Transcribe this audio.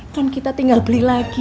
kan kita tinggal beli lagi